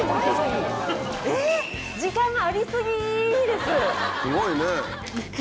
ええっ時間もありすぎです。